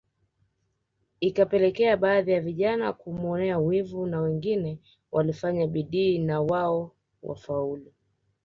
Ikapelekea baadhi ya vijana kumuonea wivu na wengine walifanya bidii na wao wafaulu